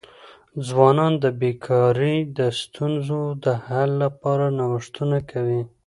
ځوانان د بېکاری د ستونزو د حل لپاره نوښتونه کوي.